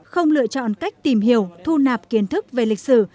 không lựa chọn cách tìm hiểu thu nạp kiến thức về lịch sử